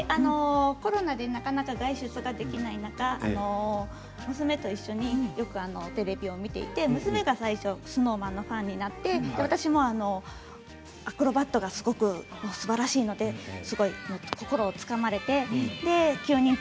コロナでなかなか外出ができない中娘と一緒にテレビを見ていて娘が最初にファンになって私も、アクロバットもすばらしいので心をつかまれました。